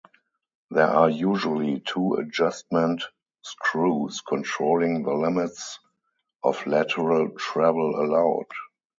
There are usually two adjustment screws controlling the limits of lateral travel allowed.